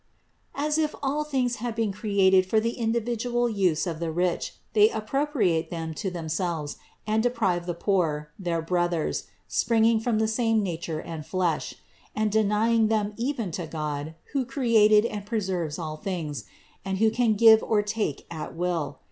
As if all things had been created for the individual use of the rich, they appropriate them to themselves and de prive the poor, their brothers springing from the same nature and flesh; and denying them even to God, who created and preserves all things, and who can give or take at will.